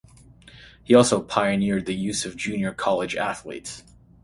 He also pioneered the use of junior college athletes.